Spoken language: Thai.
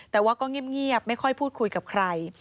แต่ว่าก็เงียบไม่ค่อยพูดคุยกับใคร